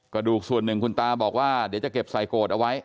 กระดูกส่วนหนึ่งคุณตาบอกว่าเดี๋ยวจะเก็บใส่โกรธเอาไว้